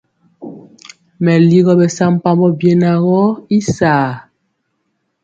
Meligɔ bɛsampambɔ biena gɔ y saa.